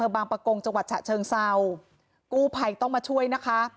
บางประกงจังหวัดฉะเชิงเศร้ากู้ภัยต้องมาช่วยนะคะ